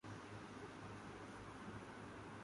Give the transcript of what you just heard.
کی حمایت کر رہے ہیں